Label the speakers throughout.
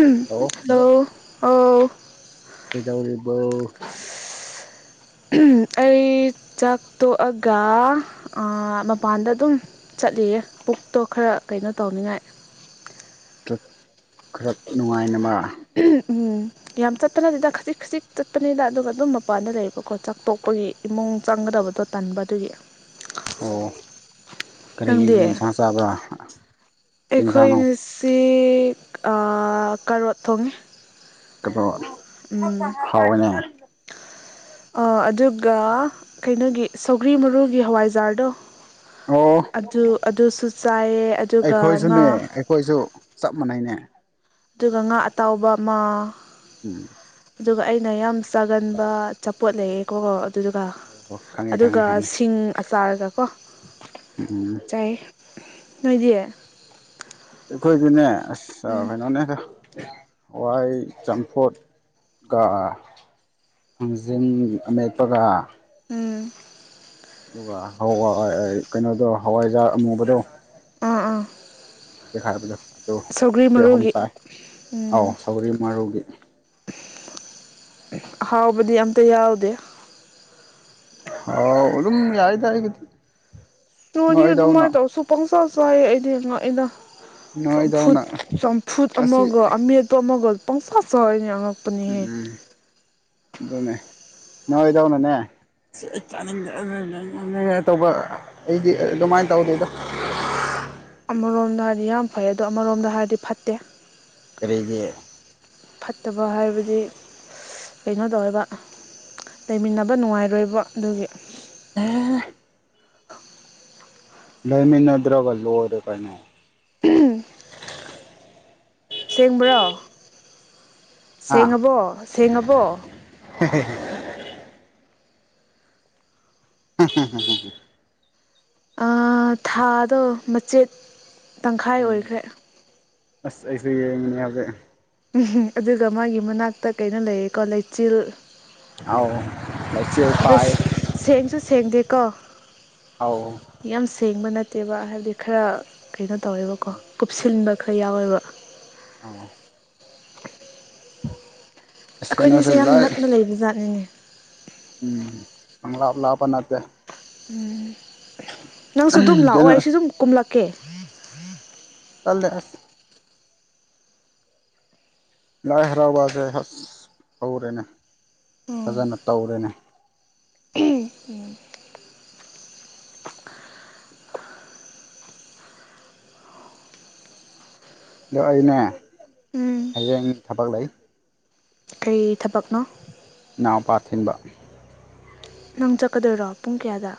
Speaker 1: ꯎꯝ
Speaker 2: hello
Speaker 1: hello ꯑꯣ
Speaker 2: ꯀꯩꯗꯧꯔꯤꯕꯣ
Speaker 1: ꯑꯩ ꯆꯥꯛ ꯇꯣꯛꯑꯥꯒ ꯑꯥ ꯃꯄꯥꯟꯗ ꯑꯗꯨꯝ ꯆꯠꯂꯤꯌꯦ ꯄꯨꯛꯇꯣ ꯈꯔ ꯀꯩꯅꯣ ꯇꯧꯅꯤꯡꯉꯥꯏ
Speaker 2: [unintelligible] ꯈꯔ ꯅꯨꯡꯉꯥꯏꯅꯃꯥ
Speaker 1: ꯎꯝ ꯌꯥꯝ ꯆꯠꯄ ꯅꯇꯦꯗꯥ ꯈꯖꯤꯛ ꯈꯖꯤꯛ ꯆꯠꯄꯅꯤꯗ ꯑꯗꯨꯒ ꯑꯗꯨꯝ ꯃꯄꯥꯟꯗ ꯂꯩꯕꯀꯣ ꯆꯥꯛ ꯇꯣꯛꯄꯒꯤ ꯏꯃꯨꯡ ꯆꯪꯒꯗꯕꯗꯣ ꯇꯟꯕ ꯑꯗꯨꯒꯤ
Speaker 2: ꯑꯣ ꯀꯔꯤ
Speaker 1: ꯅꯪꯗꯤ
Speaker 2: ꯏꯟꯁꯥ ꯆꯕꯔꯥ ꯀꯩ ꯏꯟꯁꯥꯡꯅꯣ
Speaker 1: ꯆꯤ ꯑꯥ ꯀꯔꯣꯠ ꯊꯣꯡꯉꯦ ꯎꯝ
Speaker 2: [unintelligible] ꯍꯥꯎꯋꯦꯅꯦ
Speaker 1: ꯑꯥ ꯑꯗꯨꯒ ꯀꯩꯅꯣꯒꯤ ꯁꯧꯒ꯭ꯔꯤ ꯃꯔꯨꯒꯤ ꯍꯋꯥꯏꯖꯥꯔꯗꯣ
Speaker 2: ꯑꯣ
Speaker 1: ꯑꯗꯨ ꯑꯗꯨꯁꯨ ꯆꯥꯏꯌꯦ ꯑꯗꯨꯒ ꯉꯥ
Speaker 2: ꯈꯣꯏꯁꯨ ꯆꯞ ꯃꯥꯟꯅꯩꯅꯦ
Speaker 1: ꯇꯨꯒꯥ ꯉꯥ ꯑꯇꯥꯎꯕ ꯑꯃ
Speaker 2: ꯎꯝ
Speaker 1: ꯑꯗꯨꯒ ꯑꯩꯅ ꯌꯥꯝ ꯆꯥꯒꯟꯕ ꯆꯥꯄꯣꯠ ꯂꯩꯌꯦꯀꯣ ꯑꯗꯨꯗꯨꯒ
Speaker 2: ꯑꯣ ꯍꯣ ꯈꯪꯉꯦ
Speaker 1: ꯑꯗꯨꯒ
Speaker 2: ꯈꯪꯉꯦ ꯈꯪꯉꯦ
Speaker 1: ꯁꯤꯡ ꯑꯆꯥꯔꯒ ꯀꯣ
Speaker 2: ꯎꯝ
Speaker 1: [unintelligible] ꯅꯣꯏꯗꯤ
Speaker 2: ꯑꯩꯈꯣꯏꯗꯤꯅꯦ ꯑꯁ ꯑꯥ
Speaker 1: ꯎꯝ
Speaker 2: ꯀꯩꯅꯣꯅꯦꯗ ꯍꯋꯥꯏ ꯆꯥꯝꯐꯣꯠ ꯀ ꯍꯥꯡꯖꯤꯡ ꯑꯃꯦꯠꯄꯒ
Speaker 1: ꯎꯝ
Speaker 2: ꯑꯗꯨꯒ ꯍꯋꯥꯏ ꯀꯩꯅꯣꯗꯣ ꯍꯋꯥꯏꯖꯥꯔ ꯑꯃꯨꯕꯗꯣ
Speaker 1: ꯑꯥ ꯑꯥ
Speaker 2: ꯗꯦꯛ ꯍꯥꯏꯕꯗꯣ ꯑꯗꯨ
Speaker 1: ꯁꯧꯒ꯭ꯔꯤ
Speaker 2: ꯁꯦ ꯑꯍꯨꯝ
Speaker 1: ꯃꯔꯨꯒꯤ
Speaker 2: ꯆꯥꯏ ꯑꯥꯎ
Speaker 1: ꯎꯝ
Speaker 2: ꯁꯧꯔꯤ ꯃꯔꯨꯒꯤ
Speaker 1: ꯑꯍꯥꯎꯕꯗꯤ ꯑꯝꯇ ꯌꯥꯎꯗꯦ
Speaker 2: ꯍꯥꯎ ꯑꯗꯨꯝ ꯌꯥꯏꯗ ꯑꯩꯒꯤꯗꯤ
Speaker 1: ꯇꯨꯅꯤ
Speaker 2: ꯅꯣꯏꯗꯧꯅ
Speaker 1: ꯑꯗꯨꯃꯥꯏ ꯇꯧꯁꯨ ꯄꯪꯆ ꯆꯥꯏꯌꯦ ꯑꯩꯗꯤ ꯉꯥꯛꯏꯗ ꯆꯝꯐꯨꯠ
Speaker 2: ꯅꯣꯏꯗꯧꯅ
Speaker 1: ꯆꯝꯐꯨꯠ
Speaker 2: ꯑꯁꯤ
Speaker 1: ꯑꯃꯒ ꯑꯃꯦꯠꯄ ꯑꯃꯒ ꯄꯪꯁꯥ ꯆꯥꯏꯅꯦ ꯑꯉꯛ
Speaker 2: ꯎꯝ ꯑꯗꯨꯅꯦ ꯅꯣꯏꯗꯧꯅꯅꯦ ꯁꯤ ꯑꯩ ꯆꯥꯅꯤꯡꯗꯦ [unintelligible] ꯇꯧꯕ ꯑꯩꯗꯤ ꯑꯗꯨꯃꯥꯏ ꯇꯧꯗꯦꯗꯥ
Speaker 1: ꯑꯃꯔꯣꯝꯗ ꯍꯥꯏꯔꯗꯤ ꯌꯥꯝ ꯐꯩ ꯑꯗꯣ ꯑꯃꯔꯣꯝꯗ ꯍꯥꯏꯔꯗꯤ ꯐꯠꯇꯦ
Speaker 2: ꯀꯔꯤꯒꯤ
Speaker 1: ꯐꯠꯇꯕ ꯍꯥꯏꯕꯗꯤ ꯀꯩꯅꯣ ꯗꯧꯌꯦꯕꯥ ꯂꯩꯃꯤꯟꯅꯕ ꯅꯨꯡꯉꯥꯏꯔꯣꯏꯕ ꯑꯗꯨꯒꯤ
Speaker 2: [unintelligible] ꯂꯩꯃꯤꯅꯗ꯭ꯔꯥꯒ ꯂꯣꯏꯔꯦ ꯀꯩꯅꯣ
Speaker 1: ꯁꯦꯡꯕ꯭ꯔꯣ
Speaker 2: ꯍꯥ
Speaker 1: ꯁꯦꯡꯉꯕꯣ ꯁꯦꯡꯉꯕꯣ
Speaker 2: [unintelligible] ꯍꯥ ꯍꯥ ꯍꯥ ꯍꯥ ꯍꯥ
Speaker 1: ꯑꯥ ꯊꯥꯗꯣ ꯃꯆꯦꯠ ꯇꯪꯈꯥꯏ
Speaker 2: ꯎꯝ
Speaker 1: ꯑꯣꯏꯈ꯭ꯔꯦ
Speaker 2: ꯑꯁ ꯑꯩꯁꯨ ꯌꯦꯡꯅꯦ ꯍꯧꯖꯤꯛ
Speaker 1: ꯎꯝꯍ ꯑꯗꯨꯒ ꯃꯥꯒꯤ ꯃꯅꯥꯛꯇ ꯀꯩꯅꯣ ꯂꯩꯌꯦꯀꯣ ꯂꯩꯆꯤꯜ
Speaker 2: ꯑꯥꯎ ꯂꯩꯆꯤꯜ ꯄꯥꯏ
Speaker 1: ꯑꯗꯨꯁ ꯁꯦꯡꯁꯨ ꯁꯦꯡꯗꯦꯀꯣ
Speaker 2: ꯑꯥꯎ
Speaker 1: ꯌꯥꯝ ꯁꯦꯡꯕ ꯅꯠꯇꯦꯕ ꯍꯥꯏꯕꯗꯤ ꯈꯔ ꯀꯩꯅꯣ ꯇꯧꯋꯦꯕꯀꯣ ꯀꯨꯞꯁꯤꯟꯕ ꯈꯔ ꯌꯥꯎꯋꯦꯕ
Speaker 2: ꯑꯧ ꯑꯁ ꯀꯩꯅꯣꯁꯨ
Speaker 1: ꯑꯈꯣꯏꯅꯤꯁꯦ ꯌꯥꯝ
Speaker 2: ꯂꯥꯏ
Speaker 1: ꯅꯛꯅ ꯂꯩꯕ ꯖꯥꯠꯅꯤꯅꯦ
Speaker 2: ꯎꯝ ꯄꯪꯂꯥꯞ ꯂꯥꯞꯄ ꯅꯠꯇꯦ
Speaker 1: ꯎꯝ ꯅꯪꯁꯨ ꯗꯨꯝ ꯂꯥꯛꯑꯣ
Speaker 2: ꯀꯩꯅꯣ
Speaker 1: ꯑꯩꯁꯨ ꯗꯨꯝ ꯀꯨꯝꯂꯛꯀꯦ
Speaker 2: ꯇꯜꯂꯦ ꯑꯁ ꯂꯥꯏ ꯍꯔꯥꯎꯕꯁꯦ ꯍꯁ ꯍꯧꯔꯦꯅꯦ ꯐꯖꯅ ꯇꯧꯔꯦꯅꯦ
Speaker 1: ꯎꯝ
Speaker 2: ꯑꯗꯣ ꯑꯩꯅꯦ
Speaker 1: ꯎꯝ
Speaker 2: ꯍꯩꯌꯦꯡ ꯊꯕꯛ ꯂꯩ
Speaker 1: ꯀꯔꯤ ꯊꯕꯛꯅꯣ
Speaker 2: ꯏꯅꯥꯎꯄꯥ ꯊꯤꯟꯕ
Speaker 1: ꯅꯪ ꯆꯠꯀꯗꯣꯏꯔꯣ ꯄꯨꯡ ꯀꯌꯥꯗ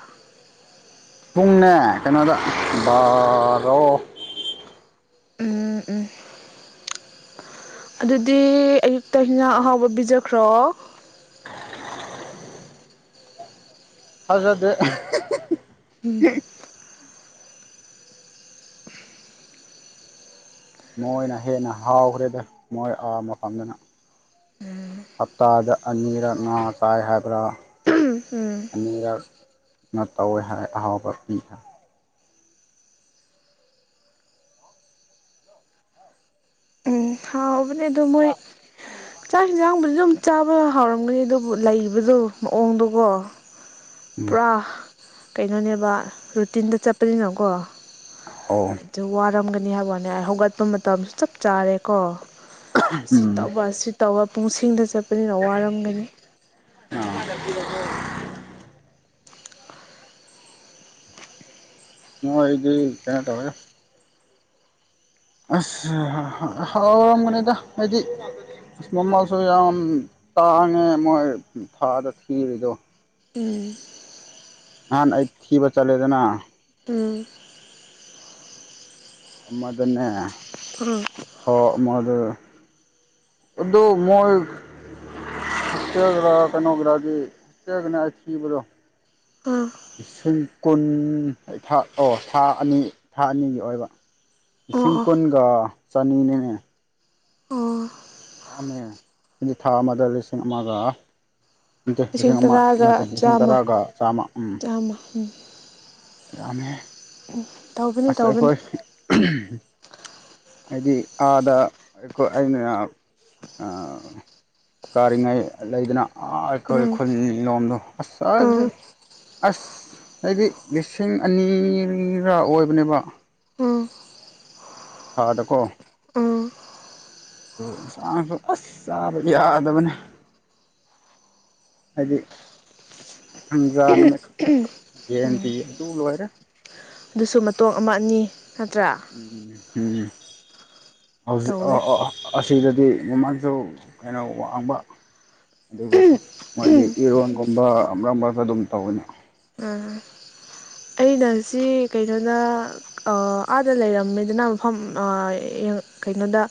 Speaker 2: ꯄꯨꯡꯅꯦ ꯀꯩꯅꯣꯗ ꯕꯥꯔꯣ
Speaker 1: ꯎꯝ ꯎꯝ ꯑꯗꯨꯗꯤ ꯑꯌꯨꯛꯇ ꯍꯤꯟꯖꯥꯡ ꯑꯍꯥꯎꯕ ꯄꯤꯖ ꯈꯔꯣ
Speaker 2: [inaudible] ꯊꯥꯖꯗꯦ
Speaker 1: ꯎꯝ
Speaker 2: ꯃꯣꯏꯅ ꯍꯦꯟꯅ ꯍꯥꯎꯈ꯭ꯔꯦꯗ ꯃꯣꯏ ꯑꯥ ꯃꯐꯝꯗꯅ ꯍꯞꯇꯥꯗ ꯑꯅꯤꯔꯛ ꯉꯥ ꯆꯥꯏ ꯍꯥꯏꯕ꯭ꯔꯥ
Speaker 1: ꯎꯝ
Speaker 2: ꯑꯅꯤꯔꯛ ꯅ ꯇꯧꯋꯦ ꯑꯍꯥꯎꯕ ꯄꯤꯍꯥꯏ
Speaker 1: ꯎꯝ ꯍꯥꯎꯕꯅꯦ ꯑꯗꯨ ꯃꯣꯏ ꯆꯥꯛ ꯍꯦꯟꯖꯥꯡꯕꯨꯗꯤ ꯑꯗꯨꯝ ꯆꯥꯕ ꯍꯥꯎꯔꯝꯒꯅꯤ ꯑꯗꯨꯕꯨ ꯂꯩꯕꯗꯣ ꯃꯑꯣꯡꯗꯣꯒꯣ
Speaker 2: ꯎꯝ
Speaker 1: ꯄꯨꯔꯥ ꯀꯩꯅꯣꯅꯦꯕ ꯔꯨꯇꯤꯟꯗ ꯆꯠꯄꯅꯤꯅꯀꯣ
Speaker 2: ꯍꯧ
Speaker 1: ꯗꯨ ꯋꯥꯔꯝꯒꯅꯤ ꯍꯥꯏꯕ ꯋꯥꯅꯦ ꯑꯩ ꯍꯧꯒꯠꯄ ꯃꯇꯝꯁꯨ ꯆꯞ ꯆꯥꯔꯦꯀꯣ ꯁꯤ
Speaker 2: ꯎꯝ
Speaker 1: ꯇꯧꯕ ꯑꯁꯤ ꯇꯧꯕ ꯄꯨꯡꯁꯤꯡꯗ ꯆꯠꯄꯅꯤꯅ ꯋꯥꯔꯝꯒꯅꯤ
Speaker 2: [inaudible] ꯃꯣꯏꯗꯤ ꯀꯩꯅꯣ ꯇꯧꯏꯗꯥ ꯑꯁ ꯍꯥ ꯍꯥꯎꯔꯝꯒꯅꯤꯗ ꯍꯥꯏꯗꯤ ꯑꯁ ꯃꯃꯜꯁꯨ ꯌꯥꯝ ꯇꯥꯡꯉꯦ ꯃꯣꯏ ꯊꯥꯗ ꯊꯤꯔꯤꯗꯣ
Speaker 1: ꯎꯝ
Speaker 2: ꯅꯍꯥꯟ ꯑꯩ ꯊꯤꯕ ꯆꯠꯂꯦꯗꯅ
Speaker 1: ꯎꯝ
Speaker 2: ꯑꯃꯗꯅꯦ
Speaker 1: ꯈ꯭ꯔꯨ [unintelligible]
Speaker 2: ꯊꯥ ꯑꯃꯗ ꯑꯗꯨ ꯃꯣꯏ ꯍꯣꯁꯇꯦꯜꯒꯔꯥ ꯀꯩꯅꯣꯒꯔꯥꯗꯤ [unintelligible]
Speaker 1: ꯎꯝ
Speaker 2: ꯂꯤꯁꯤꯡ ꯀꯨꯟ ꯊꯥ ꯑꯣ ꯊꯥ ꯑꯅꯤ ꯊꯥ ꯑꯅꯤꯒꯤ ꯑꯣꯏꯕ
Speaker 1: ꯑꯣ
Speaker 2: ꯂꯤꯁꯤꯡ
Speaker 1: ꯑꯣ
Speaker 2: ꯀꯨꯟꯒ ꯆꯅꯤꯅꯤꯅꯦ
Speaker 1: ꯑꯣ
Speaker 2: ꯥꯃꯦ ꯍꯥꯏꯗꯤ ꯊꯥ ꯑꯃꯗ ꯂꯤꯁꯤꯡ ꯑꯃꯒ ꯅꯠꯇꯦ ꯂꯤꯁꯤꯡ ꯑꯃ
Speaker 1: ꯇꯔꯥꯒ
Speaker 2: ꯅꯠꯇꯦ ꯂꯤꯁꯤꯡ
Speaker 1: ꯆꯥꯝꯃ
Speaker 2: ꯇꯔꯥꯒ ꯆꯥꯝꯃ ꯎꯝ꯫
Speaker 1: ꯆꯥꯝꯃ ꯎꯝ
Speaker 2: ꯌꯥꯝꯃꯦ
Speaker 1: [unintelligible]
Speaker 2: ꯑꯁ
Speaker 1: ꯇꯧꯕꯅꯤ
Speaker 2: ꯑꯩꯈꯣꯏ ꯍꯥꯏꯗꯤ ꯑꯥꯗ ꯑꯩ ꯑꯩꯅ ꯑꯥꯥ ꯀꯥꯔꯤꯉꯩ ꯂꯩꯗꯅ ꯑꯃꯥ ꯑꯩꯈꯣꯏ
Speaker 1: ꯎꯝ
Speaker 2: ꯈꯨꯜ ꯂꯣꯝꯗꯣ ꯑꯁ
Speaker 1: ꯎꯝ
Speaker 2: ꯑꯁ ꯍꯥꯏꯗꯤ ꯂꯤꯁꯤꯡ ꯑꯅꯤꯔ ꯑꯣꯏꯕꯅꯦꯕ
Speaker 1: ꯎꯝ
Speaker 2: ꯊꯥꯗꯀꯣ
Speaker 1: ꯎꯝ
Speaker 2: ꯏꯟꯁꯥꯡꯁꯨ ꯑꯁ ꯆꯥꯕ ꯌꯥꯗꯕꯅꯦ꯫ ꯍꯥꯏꯗꯤ ꯊꯪꯖꯥ ꯅꯨꯃꯤꯠ ꯈꯛꯇ ꯌꯦꯟ ꯄꯤ ꯑꯗꯨ ꯂꯣꯏꯔꯦ꯫
Speaker 1: ꯑꯗꯨꯁꯨ ꯃꯇꯣꯡ ꯑꯃ ꯑꯅꯤ ꯅꯠꯇ꯭ꯔꯥ
Speaker 2: ꯎꯝ ꯎꯝ ꯍꯧꯖꯤꯛ ꯑ
Speaker 1: ꯇꯧꯋꯦ
Speaker 2: ꯑ ꯑꯁꯤꯗꯗꯤ ꯃꯃꯥꯡꯁꯨ ꯀꯩꯅꯣ ꯋꯥꯡꯕ ꯑꯗꯨꯒ ꯃꯣꯏꯗꯤ ꯏꯔꯣꯟꯒꯨꯝꯕ ꯃꯔꯛ ꯃꯔꯛꯇ ꯑꯗꯨꯝ ꯇꯧꯒꯅꯤ
Speaker 1: ꯎꯝ ꯑꯩꯅꯁꯤ ꯀꯩꯅꯣꯅ ꯑꯩ ꯑꯥꯗ ꯂꯩꯔꯝꯃꯦꯗꯨꯅ ꯃꯐꯝ ꯑꯃꯥ ꯀꯩꯅꯣꯗ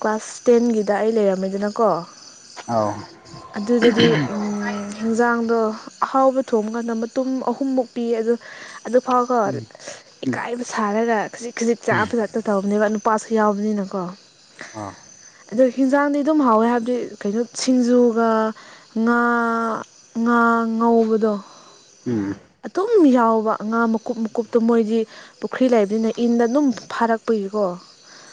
Speaker 1: ꯀ꯭ꯂꯥꯁ ꯇꯦꯟꯒꯤꯗ ꯑꯩ ꯂꯩꯔꯝꯃꯦꯗꯅꯀꯣ
Speaker 2: ꯑꯥꯎ
Speaker 1: ꯑꯗꯨꯗꯗꯤ ꯎꯝ ꯍꯤꯟꯖꯥꯡꯗꯣ ꯑꯍꯥꯎꯕ ꯊꯣꯡꯕ ꯀꯥꯟꯗ ꯃꯇꯨꯝ ꯑꯍꯨꯝꯃꯨꯛ ꯄꯤꯌꯦ ꯑꯗꯣ ꯑꯗꯨꯐꯥꯎ ꯀꯣ
Speaker 2: ꯎꯝ ꯎꯝ
Speaker 1: ꯏꯀꯥꯏꯕ ꯁꯥꯔꯒ ꯈꯖꯤꯛ ꯈꯖꯤꯛ ꯆꯥ ꯐꯖ ꯇꯧꯕꯅꯦꯕ ꯅꯨꯄꯥꯁꯨ ꯌꯥꯎꯕꯅꯤꯅꯀꯣ
Speaker 2: ꯑꯥ
Speaker 1: ꯑꯗꯣ ꯍꯤꯟꯖꯥꯡꯗꯤ ꯑꯗꯨꯝ ꯍꯥꯎꯋꯦ ꯍꯥꯏꯕꯗꯤ ꯀꯩꯅꯣ ꯁꯤꯡꯖꯨꯒ ꯉꯥ ꯉꯥ ꯉꯧꯕꯗꯣ
Speaker 2: ꯎꯝ
Speaker 1: ꯑꯗꯨꯝ ꯌꯥꯎꯕ ꯉꯥ ꯃꯀꯨꯞ ꯃꯀꯨꯞꯇꯣ ꯃꯣꯏꯗꯤ ꯄꯨꯈ꯭ꯔꯤ ꯂꯩꯕꯅꯤꯅ ꯏꯟꯗ ꯑꯗꯨꯝ ꯐꯥꯔꯛꯄꯒꯤꯀꯣ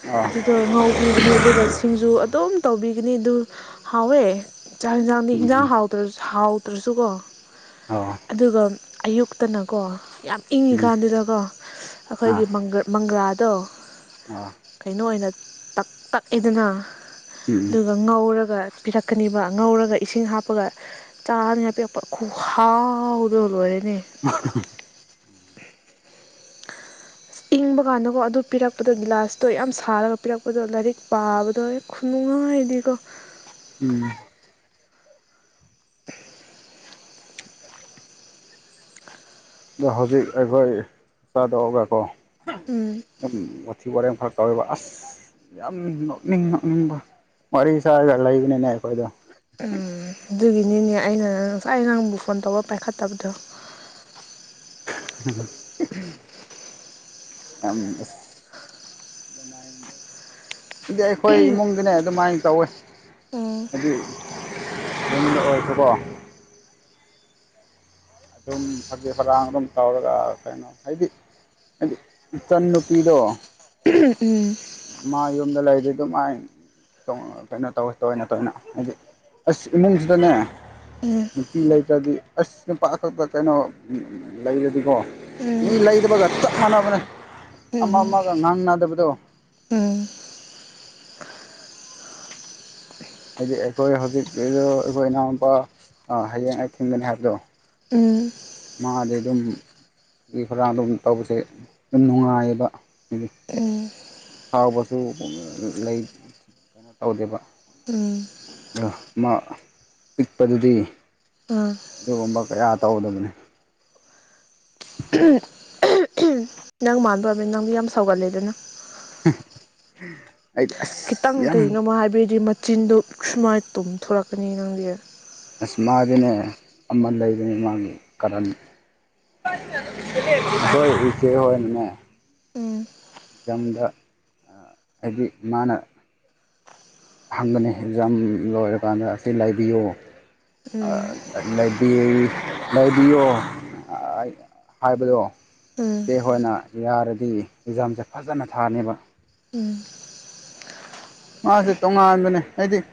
Speaker 2: ꯑꯥ
Speaker 1: ꯑꯗꯨꯗꯣ ꯉꯧ ꯄꯤꯒꯅꯤ ꯑꯗꯨꯒ ꯁꯤꯡꯖꯨ ꯑꯗꯨꯝ ꯇꯧꯕꯤꯒꯅꯤ ꯑꯗꯨ ꯍꯥꯎꯋꯦ ꯆꯥꯛ ꯍꯤꯟꯖꯥꯡꯗꯤ ꯍꯤꯟꯖꯥꯡ
Speaker 2: ꯎꯝ
Speaker 1: ꯍꯥꯎ ꯍꯥꯎꯇ꯭ꯔꯁꯨꯀꯣ
Speaker 2: ꯑꯥ
Speaker 1: ꯑꯗꯨꯒ ꯑꯌꯨꯛꯇꯅꯀꯣ ꯌꯥꯝ
Speaker 2: ꯎꯝ
Speaker 1: ꯏꯪꯉꯤꯀꯥꯟꯗꯨꯗꯀꯣ
Speaker 2: ꯑꯥ
Speaker 1: ꯑꯩꯈꯣꯏꯒꯤ ꯃꯪꯒ꯭ꯔ ꯃꯪꯒ꯭ꯔꯥꯗꯣ
Speaker 2: ꯑꯥ
Speaker 1: ꯀꯩꯅꯣ ꯑꯣꯏꯅ ꯇꯛ ꯇꯛꯏꯗꯅ
Speaker 2: ꯎꯝ
Speaker 1: ꯉꯧꯔꯒ ꯄꯤꯔꯛꯀꯅꯤꯕ ꯉꯧꯔꯒ ꯏꯁꯤꯡ ꯍꯥꯞꯄꯒ ꯆꯥꯅꯤ ꯉꯥꯏ ꯄꯤꯔꯛꯄ ꯈꯨꯍꯥꯎꯗꯣ ꯂꯣꯏꯔꯦꯅꯦ!
Speaker 2: [unintelligible]
Speaker 1: [unintelligible] ꯏꯪꯕ ꯀꯥꯟꯗꯀꯣ ꯑꯗꯨ ꯄꯤꯔꯛꯄꯗꯣ ꯒꯤꯂꯥꯁꯇꯣ ꯌꯥꯝ ꯁꯥꯔꯒ ꯄꯤꯔꯛꯄꯗꯣ ꯂꯥꯏꯔꯤꯛ ꯄꯥꯕꯗꯣ ꯈꯨꯅꯨꯡꯉꯥꯏꯗꯤꯀꯣ
Speaker 2: ꯎꯝ
Speaker 1: [unintelligible]
Speaker 2: ꯑꯗꯣ ꯍꯧꯖꯤꯛ ꯑꯩꯈꯣꯏ ꯆꯥꯗꯣꯛꯑꯒ ꯀꯣ
Speaker 1: ꯎꯝ
Speaker 2: ꯑꯗꯨꯝ ꯋꯥꯊꯤ ꯋꯥꯔꯦꯝ ꯈꯔ ꯇꯧꯋꯦꯕ ꯑꯁ ꯌꯥꯝ ꯅꯣꯛꯅꯤꯡ ꯅꯣꯛꯅꯤꯡꯕ ꯋꯥꯔꯤ ꯁꯥꯔ ꯂꯩꯕꯅꯤꯅꯦ ꯑꯩꯈꯣꯏꯗꯣ
Speaker 1: ꯎꯝ ꯑꯗꯨꯒꯤꯅꯤꯅꯦ ꯑꯩꯅ ꯉꯁꯥꯏ ꯅꯪꯕꯨ ꯐꯣꯟ ꯇꯧꯕ ꯄꯥꯏꯈꯠꯇꯕꯗꯣ
Speaker 2: ꯎꯝ [unintelligible] ꯑꯝ ꯑꯁ ꯑꯗꯨꯃꯥꯏꯟ ꯏꯗꯤ ꯑꯩꯈꯣꯏ ꯏꯃꯨꯡꯗꯅꯦ ꯑꯗꯨꯃꯥꯏꯟ ꯇꯧꯋꯦ
Speaker 1: ꯎꯝ
Speaker 2: ꯍꯥꯏꯗꯤ ꯌꯨꯝꯗ ꯑꯣꯏꯔꯁꯨ ꯀꯣ ꯗꯨꯝ ꯐꯒꯤ ꯐꯔꯥꯡ ꯑꯗꯨꯝ ꯇꯧꯔꯒ ꯀꯩꯅꯣ ꯍꯥꯏꯗꯤ ꯍꯥꯏꯗꯤ ꯏꯆꯟ ꯅꯨꯨꯄꯤꯗꯣ
Speaker 1: ꯎꯝ ꯎꯝ
Speaker 2: ꯃꯥ ꯌꯨꯝꯗ ꯂꯩꯗꯤ ꯑꯗꯨꯝ ꯃꯥꯏꯟ ꯇꯣꯡ ꯀꯩꯅꯣ ꯇꯧꯋꯦ ꯇꯣꯏꯅ ꯇꯣꯏꯅ ꯍꯥꯏꯗꯤ ꯑꯁ ꯏꯃꯨꯡꯁꯤꯗꯅꯦ
Speaker 1: ꯎꯝ
Speaker 2: ꯅꯨꯄꯤ ꯂꯩꯇ꯭ꯔꯗꯤ ꯑꯁ ꯀꯩꯝ ꯄꯥꯛ ꯈꯛꯇ ꯀꯩꯅꯣ ꯎꯝ ꯂꯩꯔꯗꯤꯀꯣ
Speaker 1: ꯎꯝ
Speaker 2: ꯃꯤ ꯂꯩꯗꯕꯒ ꯆꯞ ꯃꯥꯟꯅꯕꯅꯦ ꯑꯃ
Speaker 1: ꯎꯝ
Speaker 2: ꯑꯃꯒ ꯉꯥꯡꯅꯗꯕꯗꯣ
Speaker 1: ꯎꯝ
Speaker 2: ꯍꯥꯏꯗꯤ ꯑꯩꯈꯣꯏ ꯍꯧꯖꯤꯛꯀꯤꯗꯣ ꯑꯩꯈꯣꯏ ꯏꯅꯥꯎꯅꯨꯄꯥ ꯑ ꯍꯌꯦꯡ ꯑꯩ ꯊꯤꯡꯒꯅꯤ ꯍꯥꯏꯕꯗꯣ
Speaker 1: ꯎꯝ
Speaker 2: ꯃꯥꯗꯤ ꯑꯗꯨꯝ ꯐꯔꯤ ꯈꯔꯥ ꯑꯗꯨꯝ ꯇꯧꯕꯁꯦ ꯑꯗꯨꯝ ꯅꯨꯡꯉꯥꯏꯌꯦꯕ ꯍꯥꯏꯗꯤ
Speaker 1: ꯎꯝ
Speaker 2: ꯁꯥꯎꯕꯁꯨ ꯂꯩ ꯀꯩꯅꯣ ꯇꯧꯗꯦꯕ
Speaker 1: ꯎꯝ
Speaker 2: ꯑꯗꯣ ꯃꯥ ꯄꯤꯛꯄꯗꯨꯗꯤ
Speaker 1: ꯑꯥ
Speaker 2: ꯑꯗꯨꯒꯨꯝꯕ ꯀꯌꯥ ꯇꯧꯒꯗꯕꯅꯦ
Speaker 1: [unintelligible] ꯅꯪ ꯃꯥꯟꯕꯕꯅꯦ ꯅꯪꯗꯤ ꯌꯥꯝ ꯁꯧꯒꯜꯂꯦꯗꯅ
Speaker 2: [unintelligible]
Speaker 1: ꯈꯤꯇꯪ
Speaker 2: ꯑꯁ ꯌꯥꯝ
Speaker 1: ꯀꯩꯅꯣꯕꯨ ꯍꯥꯏꯕꯒꯤꯗꯤ ꯃꯆꯤꯟꯗꯣ ꯁꯨꯃꯥꯏꯅ ꯇꯨꯝꯊꯣꯔꯛꯀꯅꯤ ꯅꯪꯗꯤ
Speaker 2: ꯑꯁ ꯃꯥꯒꯤꯅꯦ ꯑꯃ ꯂꯩꯕꯅꯤ ꯃꯥꯒꯤ ꯀꯔꯟ [unintelligible]
Speaker 1: ꯎꯝ
Speaker 2: ꯇꯝꯗ ꯑ ꯍꯥꯏꯗꯤ ꯃꯥꯅ ꯍꯪꯒꯅꯦ ꯑꯦꯛꯖꯥꯝ ꯂꯣꯏꯔꯀꯥꯟꯗ ꯑꯁꯤ ꯂꯩꯕꯤꯌꯣ
Speaker 1: ꯎꯝ
Speaker 2: ꯑ ꯂꯩꯕꯤ ꯂꯩꯕꯤꯌꯣ ꯑ ꯑꯩ ꯍꯥꯏꯕꯗꯣ
Speaker 1: ꯎꯝ
Speaker 2: ꯆꯦ ꯍꯣꯏꯅ ꯌꯥꯔꯗꯤ ꯑꯦꯛꯖꯥꯝꯁꯦ ꯐꯖꯅ ꯊꯥꯅꯦꯕ
Speaker 1: ꯎꯝ
Speaker 2: ꯃꯥꯁꯦ ꯇꯣꯉꯥꯟꯕꯅꯦ ꯍꯥꯏꯗꯤ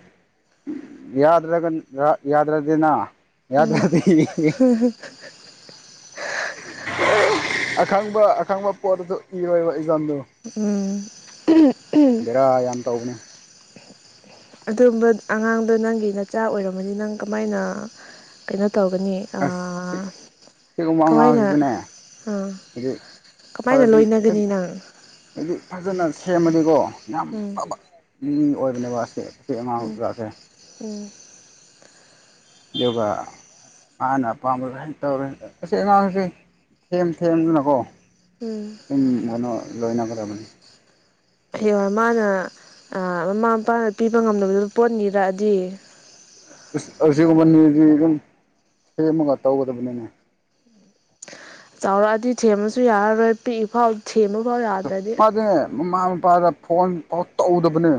Speaker 2: ꯌꯥꯗ꯭ꯔꯒ ꯌꯥꯗ꯭ꯔꯗꯤꯅ
Speaker 1: ꯎꯝ
Speaker 2: ꯌꯥꯗ꯭ꯔꯗꯤ ꯑꯈꯪꯕ ꯑꯈꯪꯕ ꯄꯣꯠꯇꯁꯨ ꯏꯔꯣꯏꯕ ꯏꯖꯥꯝꯗꯣ
Speaker 1: ꯎꯝ ꯎꯝ ꯎꯝ
Speaker 2: ꯕꯦꯔꯥ ꯌꯥꯝ ꯇꯧꯕꯅꯦ
Speaker 1: ꯑꯗꯨꯒꯨꯝꯕ ꯑꯉꯥꯡꯗꯣ ꯅꯪꯒꯤ ꯅꯆꯥ ꯑꯣꯏꯔꯝꯃꯗꯤ ꯅꯪ ꯀꯃꯥꯏꯅ ꯀꯩꯅꯣ ꯇꯧꯒꯅꯤ꯫
Speaker 2: ꯑꯁ ꯁꯤ
Speaker 1: ꯑꯥ
Speaker 2: ꯁꯤꯒꯨꯝꯕ
Speaker 1: ꯀꯃꯥꯏꯅ
Speaker 2: ꯑꯉꯥꯡꯁꯤꯗꯤꯅꯦ
Speaker 1: ꯑꯥ
Speaker 2: ꯍꯥꯏꯗꯤ
Speaker 1: ꯀꯃꯥꯏꯅ
Speaker 2: ꯐꯔꯗꯤ
Speaker 1: ꯂꯣꯏꯅꯒꯅꯤ
Speaker 2: ꯍꯥꯏꯗꯤ
Speaker 1: ꯅꯪ
Speaker 2: ꯍꯥꯏꯗꯤ ꯐꯖꯅ ꯁꯦꯝꯃꯗꯤꯀꯣ ꯌꯥꯝ
Speaker 1: ꯎꯝ
Speaker 2: ꯐꯕ ꯃꯤ ꯑꯣꯏꯕꯅꯦꯕꯁꯦ
Speaker 1: ꯎꯝ ꯎꯝ꯫
Speaker 2: ꯑꯗꯨꯒ ꯃꯅꯥ ꯑꯄꯥꯝꯕ ꯍꯦꯛ ꯇꯧꯔꯦ ꯑꯁꯤ ꯑꯉꯥꯡꯁꯦ ꯊꯦꯝ ꯊꯦꯝꯗꯅꯀꯣ
Speaker 1: ꯎꯝ꯫
Speaker 2: ꯎꯝ ꯂꯣꯏꯅ ꯂꫭꯏꯅꯒꯗꯕꯅꯦ꯫
Speaker 1: ꯍꯌꯦꯡꯋꯥꯏ ꯃꯥꯅ ꯑꯥ ꯃꯃꯥ ꯃꯄꯥꯅ ꯄꯤꯕ ꯉꯝꯗꯕꯗꯨ ꯄꯣꯠ ꯅꯤꯔꯛꯑꯗꯤ
Speaker 2: ꯑꯁ ꯑꯁꯤꯒꯨꯝꯕꯅꯤꯗꯤ ꯑꯗꯨꯝ ꯁꯦꯝꯃꯒ ꯇꯧꯒꯗꯕꯅꯤꯅꯦ꯫
Speaker 1: ꯆꯥꯎꯔꯛꯑꯗꯤ ꯊꯦꯝꯃꯁꯨ ꯌꯥꯔꯔꯣꯏ ꯄꯤꯛꯏꯐꯥꯎ ꯊꯦꯝꯕ ꯐꯥꯎ ꯌꯥ
Speaker 2: ꯆꯞ ꯃꯥꯗꯤꯅꯦ ꯃꯃꯥ ꯃꯄꯥꯗ ꯐꯣꯟ ꯐꯥꯎ ꯇꯧꯗꯕꯅꯦ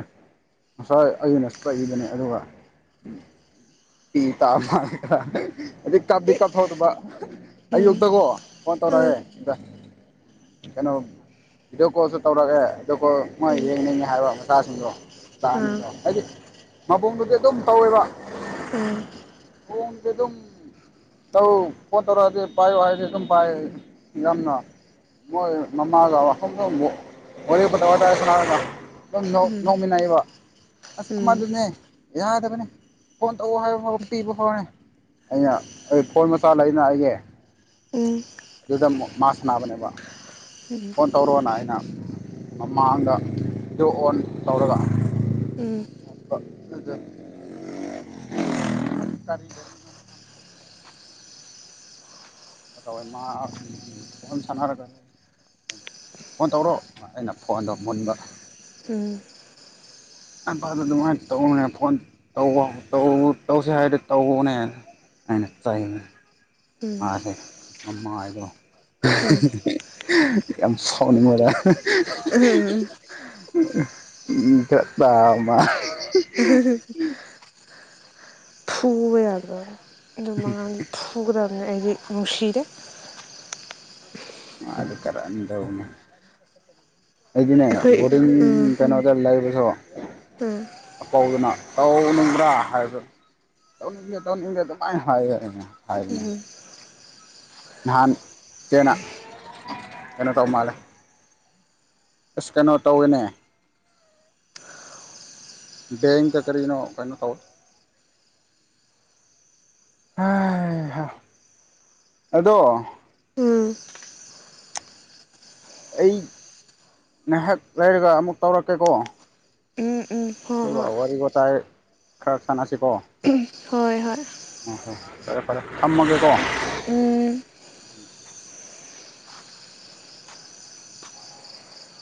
Speaker 2: ꯉꯁꯥꯏ ꯑꯩꯅ ꯆꯩꯕꯅꯦ ꯑꯗꯨꯒ ꯄꯤꯇꯥ ꯃꯥꯜꯂꯦ ꯑꯗꯥ ꯑꯗꯩ ꯀꯥꯞꯇꯤ ꯀꯥꯞꯊꯣꯛꯇꯥꯕ
Speaker 1: ꯎꯝ
Speaker 2: ꯑꯌꯨꯛꯇꯥꯀꯣ ꯐꯣꯟ ꯇꯧꯔꯥꯛꯑꯦ
Speaker 1: ꯎꯝ
Speaker 2: ꯑꯗꯥ ꯀꯩꯅꯣ ꯕꯤꯗꯤꯌꯣ ꯀꯣꯜꯁꯨ ꯇꯧꯔꯛꯑꯦ ꯑꯗꯨ ꯀꯣ ꯃꯣꯏ
Speaker 1: ꯎꯝ
Speaker 2: ꯌꯦꯡꯅꯤꯡꯉꯦ ꯍꯥꯏꯕ ꯃꯆꯥꯁꯤꯡꯗꯣ ꯃꯆꯥ
Speaker 1: ꯑꯥ
Speaker 2: ꯑꯅꯤꯗꯣ ꯍꯥꯏꯗꯤ ꯃꯕꯨꯡꯗꯨꯗꯤ ꯑꯗꯨꯝ ꯇꯧꯋꯦꯕ꯫
Speaker 1: ꯎꯝ꯫
Speaker 2: ꯃꫭꯡꯗꯥ ꯑꯗꯨꯝ ꯇꯧ ꯐꯣꯟ ꯇꯧꯔꯛꯑꯥꯗꯤ ꯄꯥꯏꯌꯨ ꯍꯥꯏꯗꯤ ꯑꯗꯨꯨꯝ ꯄꯥꯏ ꯌꯥꯝꯅ ꯃꯣꯏ ꯃꯃꯥꯒ [unintelligible] ꯑꯗꯨꯝ ꯅꫭꯛ
Speaker 1: ꯎꯝ
Speaker 2: ꯅꯣꯛꯃꯤꯟꯅꯩꯕ ꯑꯁ ꯑꯃꯥꯗꯨꯅꯦ ꯌꯥꯗꯕꯅꯦ꯫ ꯐꯣꯟ ꯇꯧ ꯍꯥꯏꯕ ꯐꯥꯎꯕ ꯄꯤꯕ ꯐꯥꯎꯅꯦ ꯑꯩꯅ ꯐꯣꯟ ꯃꯆꯥ ꯂꯩꯅ ꯑꯩꯒꯤ
Speaker 1: ꯎꯝ ꯎꯝ
Speaker 2: ꯑꯗꯨꯗꯥ ꯃꯨꯛ ꯃꯥ ꯁꯥꯟꯅꯕꯅꯦꯕꯥ ꯐꫭꯟ ꯇꯧꯔꯛ ꯑꫭꯅ ꯑꯩꯅ ꯃꯃꯥꯡꯗꯥ ꯕꯤꯗꯤꯌꯣ ꯑꯣꯟ ꯇꯧꯔꯛꯒꯥ
Speaker 1: ꯎꯝ꯫
Speaker 2: [unintelligible] ꯑꯗꯨꯗꯥ ꯀꯔꯤ ꯒꯥꯔꯤꯅꫭ ꯇꯧꯋꯦ ꯃꯥ ꯎꯝ ꯐꯣꯟ ꯁꯥꯟꯅꯔꯥꯒ ꯑꯩꯅ ꯐꯣꯟ ꯇꯧꯔꯣ ꯑꯩꯅ ꯐꯣꯟꯗꯣ ꯃꯨꯟꯕ
Speaker 1: ꯎꯝ꯫
Speaker 2: ꯑꯟꯄꯥꯗ ꯑꯗꯨꯃꯥꯏꯅ ꯇꯧꯅꯨꯅꯦ ꯐꯣꯟ ꯇꯧꯋꯦ ꯇꯧ ꯇꯧꯁꯦ ꯍꯥꯏꯗꯤ ꯇꯧꯋꯦꯅꯦ ꯑꯩꯅ ꯆꯩꯕ
Speaker 1: ꯎꯝ
Speaker 2: ꯃꯥꯁꯦ ꯃꯃꯥꯏꯗꯣ
Speaker 1: ꯎꯝ ꯎꯝ
Speaker 2: ꯌꯥꯝ ꯁꯣꯟꯕꯥꯗ
Speaker 1: [inaudible]
Speaker 2: [unintelligible]
Speaker 1: ꯐꯨꯕꯥ ꯌꯥꯗ꯭ꯔꯣ ꯑꯗꯨꯝꯕꯥ ꯑꯉꯥꯡꯗꯤ ꯐꯨ ꯐꯨꯒꯥꯗꯥꯕꯅꯦ ꯑꯩꯗꯤ ꯅꯨꯡꯁꯤꯗꯦ꯫
Speaker 2: ꯃꯥꯗꯤ ꯀꯥꯔꯟ ꯇꯧꯕꯥꯅꯦ ꯑꯩꯗꯤꯅꯦ
Speaker 1: ꯑꯩꯈꯣꯏ
Speaker 2: ꯕꯣꯔꯗꯤꯡ
Speaker 1: ꯎꯝ
Speaker 2: ꯀꯩꯅꯣ ꯂꯩꯕꯥꯁꯨ
Speaker 1: ꯎꯝ
Speaker 2: ꯑꯄꯥꯎꯗꯨꯅꯥ ꯇꯧꯅꯤꯡꯕ꯭ꯔꯥ ꯍꯥꯏꯕ ꯇꯧꯅꯤꯡꯗꯦ ꯇꯧꯅꯤꯡꯗꯦ ꯑꯗꯨꯃꯥꯏꯅ ꯍꯥꯏ ꯑꯩꯅꯥ ꯍꯥꯏꯕꯥꯅꯦ
Speaker 1: ꯎꯝ
Speaker 2: ꯅꯍꯥꯟ ꯆꯦꯅꯥ ꯀꯩꯅꯣ ꯇꯧ ꯃꯥꯜꯂꯦ ꯑꯁ ꯀꯩꯅꯣ ꯇꯧꯋꯦꯅꯦ ꯕꯦꯡꯗꯥ ꯀꯔꯤꯒꯤꯅꯣ ꯀꯩꯅꯣ ꯇꯧꯏ ꯑꯗꯣ
Speaker 1: ꯎꯝ
Speaker 2: ꯑꯩ ꯉꯥꯏꯍꯥꯛ ꯂꯩꯔꯒꯥ ꯑꯃꯨꯛ ꯇꯧꯔꯛꯀꯦꯀꯣ
Speaker 1: ꯎꯝ ꯎꯝ ꯍꯣꯏ
Speaker 2: ꯑꯗꯨꯒꯥ
Speaker 1: ꯍꯣꯏ
Speaker 2: ꯋꯥꯔꯤ ꯋꯥꯇꯥꯏ ꯈꯔꯥ ꯁꯥꯟꯅꯁꯤꯀꯣ
Speaker 1: ꯍꯣꯏ ꯍꯣꯏ ꯍꯣꯏ
Speaker 2: ꯑꯣ ꯍꯣꯏ ꯐꯔꯦ ꯐꯔꯦ ꯊꯝꯃꯥꯒꯦꯀꯣ
Speaker 1: ꯎꯝ